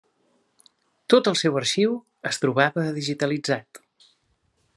Tot el seu arxiu es trobava digitalitzat.